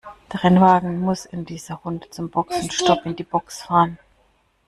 Der Rennwagen muss in dieser Runde zum Boxenstopp in die Box fahren.